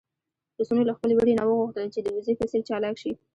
پسونو له خپل وري نه وغوښتل چې د وزې په څېر چالاک شي.